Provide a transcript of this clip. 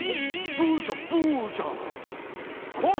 ブーじゃんブーじゃん。